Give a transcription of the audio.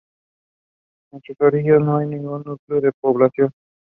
En sus orillas no hay ningún núcleo de población.